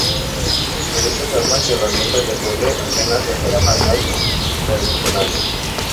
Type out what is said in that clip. Pero estas armas y herramientas de cobre apenas mejoraban las tradicionales.